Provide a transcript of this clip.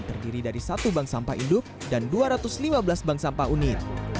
terdiri dari satu bank sampah induk dan dua ratus lima belas bank sampah unit